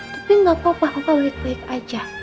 tapi nggak papa papa baik baik aja